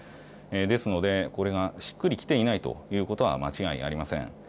ですので、これがしっくり来ていないということは間違いありません。